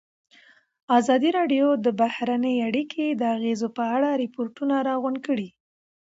ازادي راډیو د بهرنۍ اړیکې د اغېزو په اړه ریپوټونه راغونډ کړي.